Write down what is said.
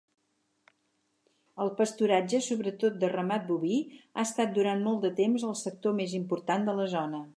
El pasturatge, sobretot de ramat boví, ha estat durant molt de temps el sector més important de la zona.